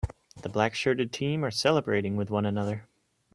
The black shirted team are celebrating with one another